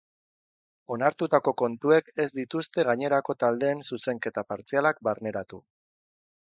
Onartutako kontuek ez dituzte gainerako taldeen zuzenketa partzialak barneratu.